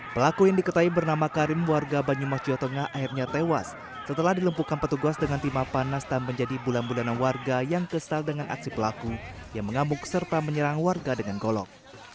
pelaku yang diketahui bernama karin warga banyumas jawa tengah akhirnya tewas setelah dilumpuhkan petugas dengan timah panas dan menjadi bulan bulanan warga yang kesal dengan aksi pelaku yang mengamuk serta menyerang warga dengan golok